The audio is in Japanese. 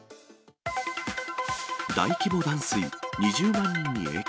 大規模断水、２０万人に影響。